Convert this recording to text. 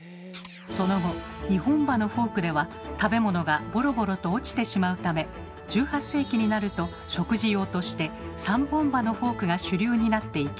その後２本歯のフォークでは食べ物がボロボロと落ちてしまうため１８世紀になると食事用として３本歯のフォークが主流になっていきました。